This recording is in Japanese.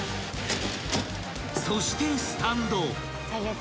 ［そしてスタンド］